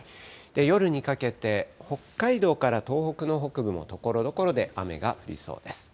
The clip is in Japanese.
夜にかけて、北海道から東北の北部もところどころで雨が降りそうです。